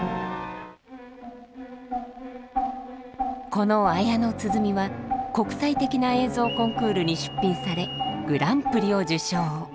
この「綾の鼓」は国際的な映像コンクールに出品されグランプリを受賞。